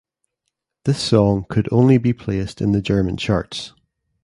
This song could only be placed in the German charts.